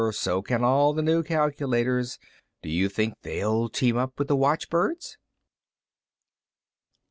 So can all the new calculators. Do you think they'll team up with the watchbirds?"